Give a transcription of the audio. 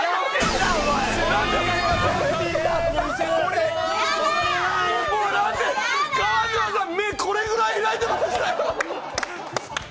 なんで、川島さん、目、これぐらい開いてましたよ！